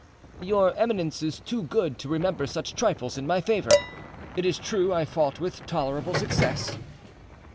"Your eminence is too good to remember such trifles in my favor. It is true I fought with tolerable success."